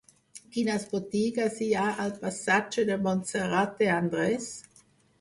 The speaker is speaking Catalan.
Quines botigues hi ha al passatge de Montserrat de Andrés?